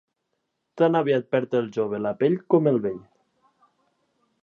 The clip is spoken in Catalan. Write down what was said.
Tan aviat perd el jove la pell com el vell.